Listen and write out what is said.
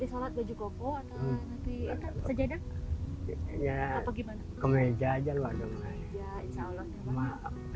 ya insya allah